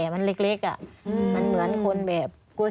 มันเหมือนคนแบบ